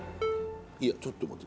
いやちょっと待って。